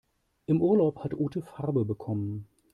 Im Urlaub hat Ute Farbe bekommen.